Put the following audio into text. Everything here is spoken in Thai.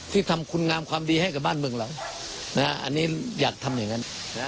ที่ทำคุณงามความดีให้กับบ้านเมืองเราอันนี้อยากทำอย่างนั้น